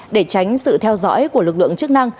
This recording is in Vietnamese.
để tránh sự theo dõi của lực lượng chức năng